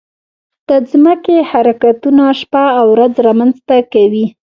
د ځمکې حرکتونه شپه او ورځ رامنځته کوي.